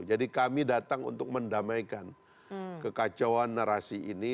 jadi kami datang untuk mendamaikan kekacauan narasi ini